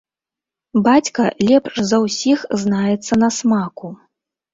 Бацька лепш за ўсіх знаецца на смаку.